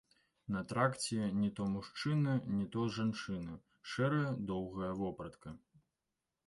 На тракце не то мужчына, не то жанчына, шэрая доўгая вопратка.